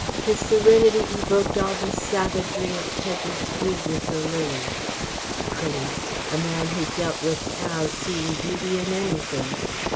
His serenity evoked all the savagery of Tedge's feud with the lilies. Pretty! A man who dealt with cows seeing beauty in anything!